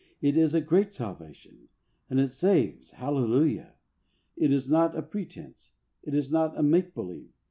It is a "great salvation," and it saves, hallelujah! It is not a pretence. It is not a "make believe."